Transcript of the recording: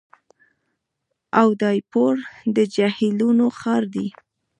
اودایپور د جهیلونو ښار دی.